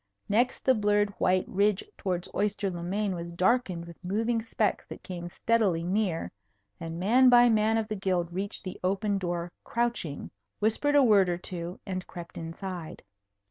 Next, the blurred white ridge towards Oyster le Main was darkened with moving specks that came steadily near; and man by man of the Guild reached the open door crouching, whispered a word or two, and crept inside.